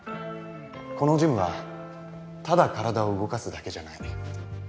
このジムはただ体を動かすだけじゃない。